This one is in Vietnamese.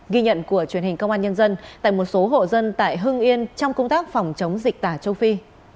ghi nhận của truyền hình công an nhân dân tại một số hộ dân tại hưng yên trong công tác phòng chống dịch tả châu phi